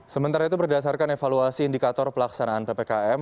sementara itu berdasarkan evaluasi indikator pelaksanaan ppkm